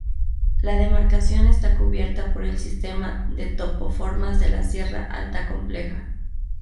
La demarcación está cubierta por el sistema de topoformas de la sierra alta compleja.